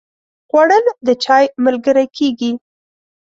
خوړل د چای ملګری کېږي